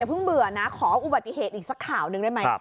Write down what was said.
เพิ่งเบื่อนะขออุบัติเหตุอีกสักข่าวหนึ่งได้ไหม